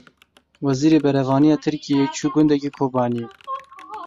Wezîrê Berevaniya Tirkiyê çû gundekî Kobaniyê.